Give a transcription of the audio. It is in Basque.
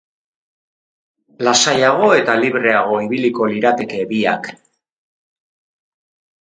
Lasaiago eta libreago ibiliko lirateke biak.